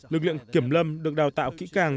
lực lượng kiểm lâm được đào tạo kỹ càng